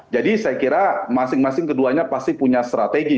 jadi saya kira masing masing keduanya pasti punya strategi